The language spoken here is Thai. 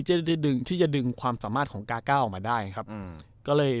ตั้งแต่ซีซันแรกเลย